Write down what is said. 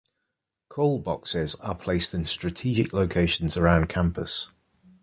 Call boxes are placed in strategic locations around campus.